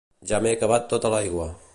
Ja m'he acabat tota l'aigua